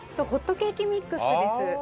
ホットケーキミックスです。